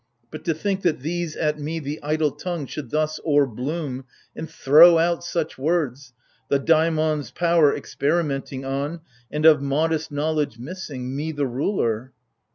But to think that these at me the idle tongue should thus o'er bloom, And throw out such words — the Daimon's power experi menting on — And, of modest knowledge missing, — me, the ruler